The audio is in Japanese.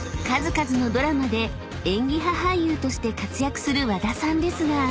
［数々のドラマで演技派俳優として活躍する和田さんですが］